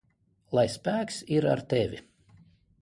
Lai spēks ir ar tevi!